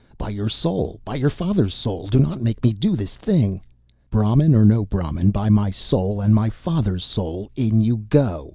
By your soul, by your father's soul, do not make me do this thing!" "Brahmin or no Brahmin, by my soul and my father's soul, in you go!"